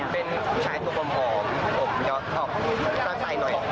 เป็นผู้ชายตัวบ่มห่ออบหยอดอบสั้นใส่หน่อย